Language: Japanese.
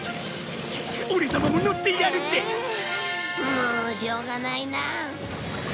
もうしょうがないなあ。